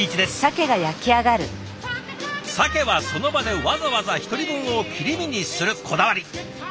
さけはその場でわざわざ１人分を切り身にするこだわり。